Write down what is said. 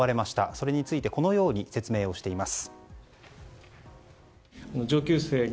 それについてこのように説明しています。